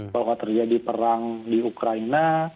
bahwa terjadi perang di ukraina